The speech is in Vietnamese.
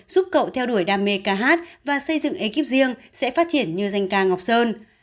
giúp cậu theo đuổi đam mê ca hát và xây dựng ekip riêng sẽ phát triển như danh ca ngọc sơn